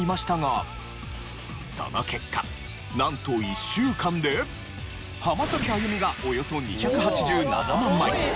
その結果なんと１週間で浜崎あゆみがおよそ２８７万枚。